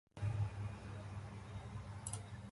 জমোকুন্দা পরবর্তীকালে জাতীয় পরিষদের প্রথম সহ-সভাপতি হন।